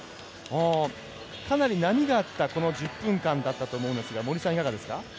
かなり波があったこの１０分間だったと思いますが森さん、いかがですか。